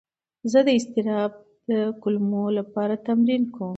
زه د اضطراب د کمولو لپاره تمرین کوم.